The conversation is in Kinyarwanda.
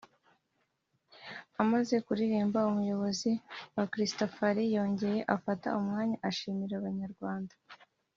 Amaze kuririmba umuyobozi wa Christafari yongeye afata umwanya ashimira abanyarwanda